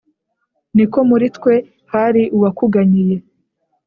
Niko, muri twe hari uwakuganyiye